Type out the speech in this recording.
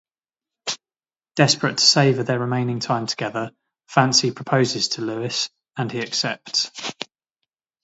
Desperate to savor their remaining time together, Fancy proposes to Luis, and he accepts.